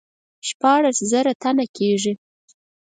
شپاړس زره تنه کیږي.